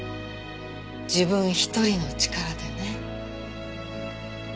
自分一人の力でね。